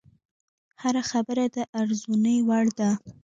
هره خبره د ارزونې وړ ده